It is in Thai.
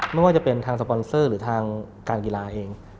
ไม่ว่าจะเป็นทางสปอนเซอร์หรือทางการกีฬาเอง